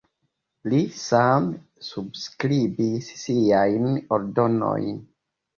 Li same subskribis siajn ordonojn.